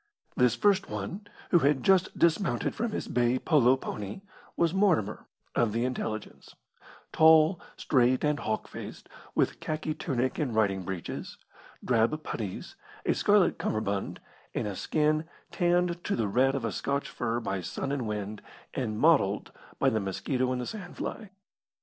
This first one, who had just dismounted from his bay polo pony, was Mortimer, of the Intelligence tall, straight, and hawk faced, with khaki tunic and riding breeches, drab putties, a scarlet cummerbund, and a skin tanned to the red of a Scotch fir by sun and wind, and mottled by the mosquito and the sand fly.